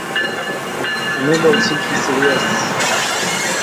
আমি বলছি কী সিরিয়াস।